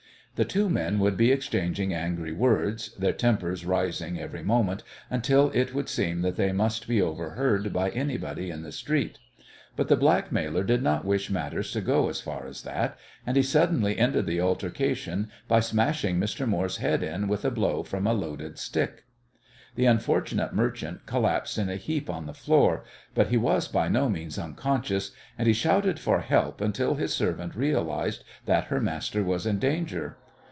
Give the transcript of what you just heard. The two men would be exchanging angry words, their tempers rising every moment until it would seem that they must be overheard by anybody in the street. But the blackmailer did not wish matters to go as far as that, and he suddenly ended the altercation by smashing Mr. Moore's head in with a blow from a loaded stick. The unfortunate merchant collapsed in a heap on the floor, but he was by no means unconscious, and he shouted for help until his servant realized that her master was in danger.